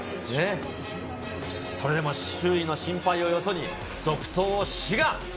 それでも周囲の心配をよそに、続投を志願。